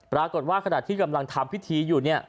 ปรากฏว่าขณะที่กำลังทำพิธีอยู่เนี่ย